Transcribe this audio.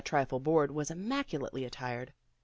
trifle bored, was immaculately attired.